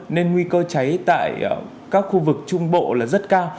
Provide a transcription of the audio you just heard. nên nguy cơ cháy tại các khu vực trung bộ là rất cao